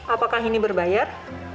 apakah ini berbayar